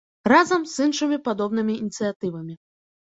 Разам з іншымі падобнымі ініцыятывамі.